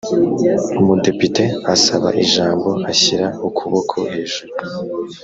umudepite asaba ijambo ashyira ukuboko hejuru.